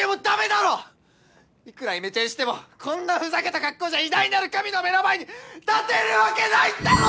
いくらイメチェンしてもこんなふざけた格好じゃ偉大なる神の目の前に立てるわけないだろ！